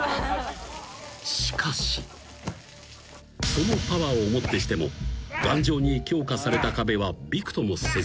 ［そのパワーをもってしても頑丈に強化された壁はびくともせず］